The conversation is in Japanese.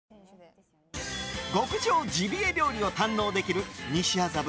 極上ジビエ料理を堪能できる西麻布